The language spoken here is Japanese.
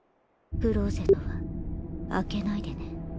クローゼットは開けないでね。